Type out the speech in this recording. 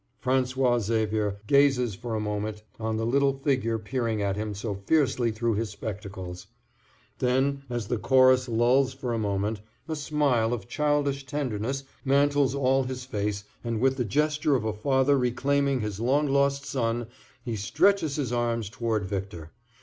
François Xavier gazes for a moment on the little figure peering at him so fiercely through his spectacles. Then, as the chorus lulls for a moment, a smile of childish tenderness mantles all his face and with the gesture of a father reclaiming his long lost son he stretches his arms toward Victor.